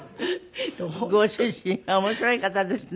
ご主人は面白い方ですね。